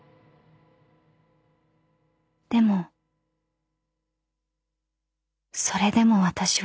［でもそれでも私は］